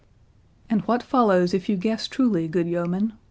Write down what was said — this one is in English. "And what follows if you guess truly, good yeoman?"